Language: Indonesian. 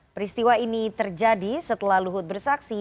peristiwa ini terjadi setelah luhut bersaksi